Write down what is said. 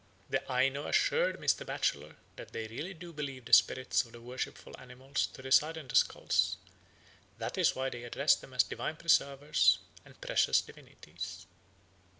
The Aino assured Mr. Batchelor that they really do believe the spirits of the worshipful animals to reside in the skulls; that is why they address them as "divine preservers" and "precious divinities."